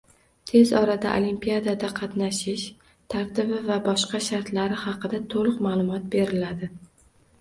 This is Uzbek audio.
Tez orada olimpiadada qatnashish tartibi va boshqa shartlari haqida toʻliq maʼlumot beriladi.